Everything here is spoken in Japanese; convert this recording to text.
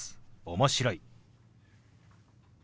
「面白い」。